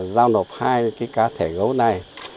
giao nộp hai cá thể gấu này